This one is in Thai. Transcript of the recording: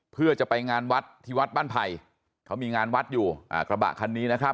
เพื่อจะไปงานวัดที่วัดบ้านไผ่เขามีงานวัดอยู่อ่ากระบะคันนี้นะครับ